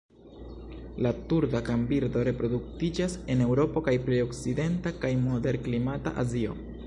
La Turda kanbirdo reproduktiĝas en Eŭropo kaj plej okcidenta kaj moderklimata Azio.